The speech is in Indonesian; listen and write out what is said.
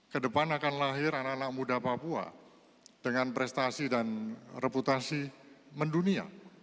kedepan akan lahir anak anak muda papua dengan prestasi dan reputasi mendunia